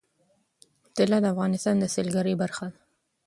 طلا د افغانستان د سیلګرۍ برخه ده.